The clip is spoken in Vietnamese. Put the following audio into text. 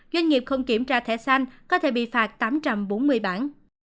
doanh nghiệp không kiểm tra thẻ xanh có thể bị phạt tám trăm bốn mươi bản